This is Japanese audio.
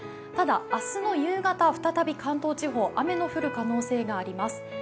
ただ、明日の夕方、再び関東地方雨が降る可能性があります。